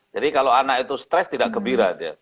jadi kalau anak itu stress tidak gembira